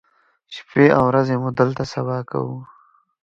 شپې او ورځې مو دلته سبا کوو.